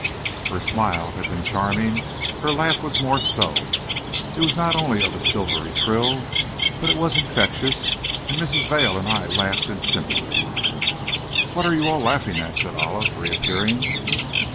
If her smile had been charming, her laugh was more so. It was not only of a silvery trill, but it was infectious, and Mrs. Vail and I laughed in sympathy. "What are you all laughing at?" said Olive, reappearing.